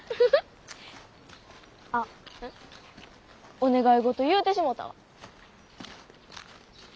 お願い事言うてしもたわ。